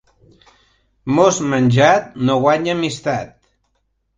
Mos menjat no guanya amistat.